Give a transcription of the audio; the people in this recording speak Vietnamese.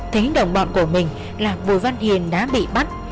thấy đồng bọn của mình là bùi văn hiền đã bị bắt